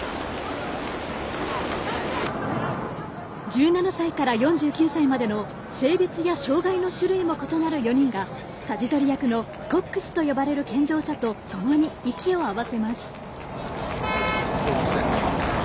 １７歳から４９歳までの性別や障がいの種類も異なる４人がかじ取り役のコックスと呼ばれる健常者とともに息を合わせます。